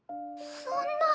そんな。